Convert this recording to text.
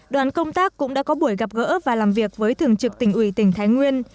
đoàn công tác cũng đã có buổi gặp gỡ và làm việc với thường trực tỉnh ủy tỉnh thái nguyên